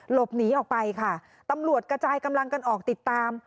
หลบหนีออกไปค่ะตำรวจกระจายกำลังกันออกติดตาม